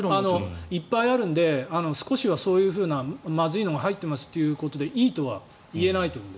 いっぱいあるので少しはそういうふうなまずいのが入ってますということでいいとは言えないと思うので。